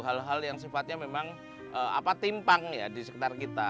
hal hal yang sifatnya memang timpang ya di sekitar kita